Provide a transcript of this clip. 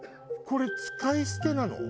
これ使い捨てなの？